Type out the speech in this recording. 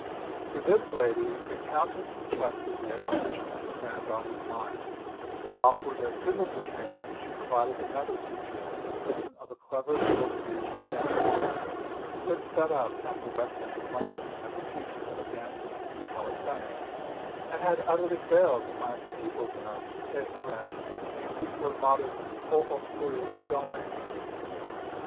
To this lady the Countess entrusted the education of her granddaughters' minds, while for their physical training she provided another teacher in the person of a clever little Parisian dancing mistress, who had set up at the West End of London as a teacher of dancing and calisthenics, and had utterly failed to find pupils enough to pay her rent and keep her modest pot au feu going.